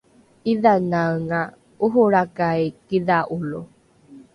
’idhanaenga oholrakai kidha’olo